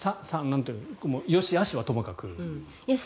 よしあしはともかく。